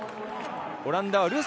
オランダは。